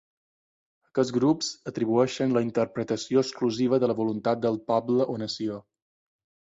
Aquests grups atribueixen la interpretació exclusiva de la voluntat del poble o nació.